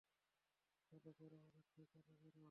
চল বেরো এনথে, চল বেরো।